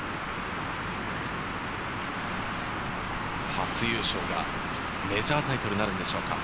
初優勝がメジャータイトルになるんでしょうか。